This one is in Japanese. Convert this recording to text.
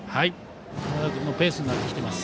山田君のペースになってきています。